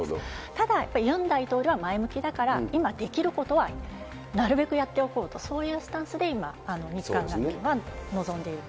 ただやっぱりユン大統領は前向きだから今、できることはなるべくやっておこうと、そういうスタンスで今、日韓関係は臨んでいると。